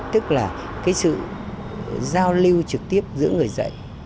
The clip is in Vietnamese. tức là cái sự giao lưu trực tiếp giữa người dạy